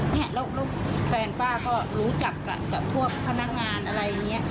เนี่ยแล้วแฟนป้าก็รู้จักกับพวกพนักงานอะไรอย่างนี้